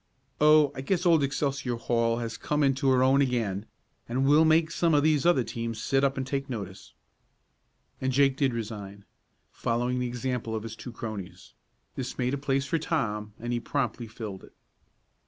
Oh, I guess old Excelsior Hall has come into her own again, and we'll make some of these other teams sit up and take notice." And Jake did resign, following the example of his two cronies. This made a place for Tom, and he promptly filled it.